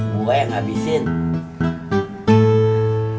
gua yang habisin